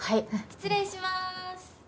失礼します。